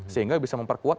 sehingga bisa memperkuat